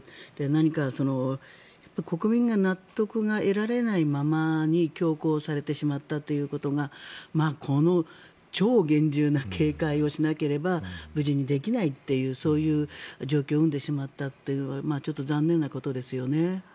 何か国民が納得が得られないままに強行されてしまったということがこの、超厳重な警戒をしなければ無事にできないというそういう状況になってしまったというのはちょっと残念なことですよね。